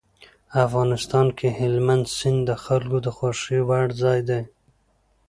افغانستان کې هلمند سیند د خلکو د خوښې وړ ځای دی.